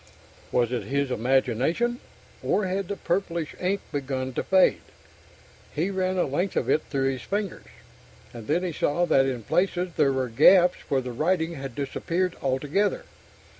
Was it his imagination, or had the purplish ink begun to fade? He ran a length of it through his fingers, and then he saw that in places there were gaps where the writing had disappeared altogether.